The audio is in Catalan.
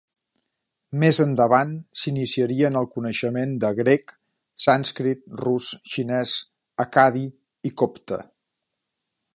Més endavant s'iniciaria en el coneixement de grec, sànscrit, rus, xinès, accadi i copte.